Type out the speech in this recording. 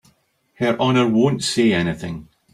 Her Honor won't say anything.